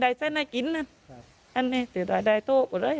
มีมีคะมีเรียบร้อย